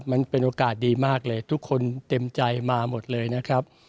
มันเป็นโอกาสดีมากเลยทุกคนเต็มใจมาหมดเลยนะครับ